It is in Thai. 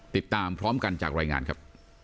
ติดตามพร้อมกันจากรายงานครับ